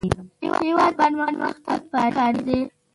هېواد ته پرمختګ پکار دی